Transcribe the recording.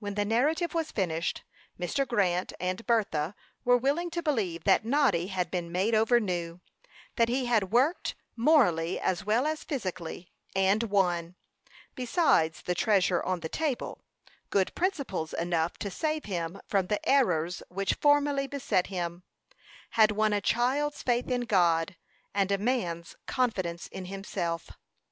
When the narrative was finished, Mr. Grant, and Bertha were willing to believe that Noddy had been made over new; that he had worked, morally as well as physically, and won, besides the treasure on the table, good principles enough to save him from the errors which formerly beset him; had won a child's faith in God, and a man's confidence in himself.